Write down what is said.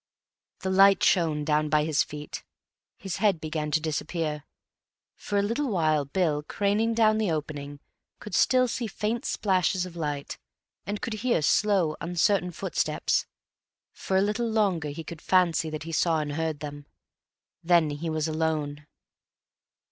The light shone down by his feet. His head began to disappear. For a little while Bill, craning down the opening, could still see faint splashes of light, and could hear slow uncertain footsteps; for a little longer he could fancy that he saw and heard them; then he was alone....